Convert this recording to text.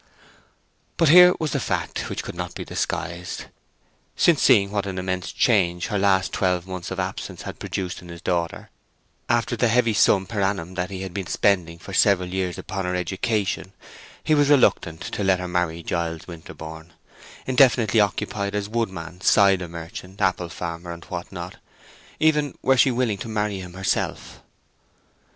But here was the fact, which could not be disguised: since seeing what an immense change her last twelve months of absence had produced in his daughter, after the heavy sum per annum that he had been spending for several years upon her education, he was reluctant to let her marry Giles Winterborne, indefinitely occupied as woodsman, cider merchant, apple farmer, and what not, even were she willing to marry him herself.